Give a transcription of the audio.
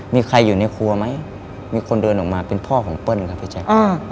มีใครอยู่ในครัวไหมมีคนเดินออกมาเป็นพ่อของเปิ้ลครับพี่แจ๊ค